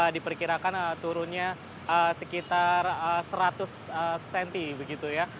diperkirakan turunnya sekitar seratus cm begitu ya